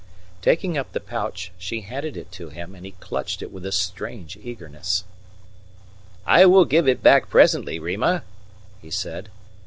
Taking up the pouch, she handed it to him, and he clutched it with a strange eagerness. "I will give it back presently, Rima," he said.